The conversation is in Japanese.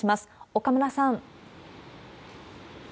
岡村さん。